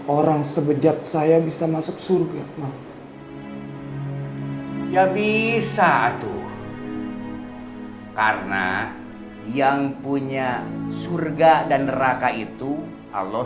orang sebejak saya bisa masuk surga ya bisa tuh karena yang punya surga dan neraka itu allah